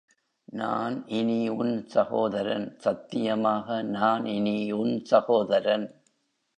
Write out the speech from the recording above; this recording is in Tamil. நான் இனி உன் சகோதரன், சத்தியமாக நான் இனி உன் சகோதரன்.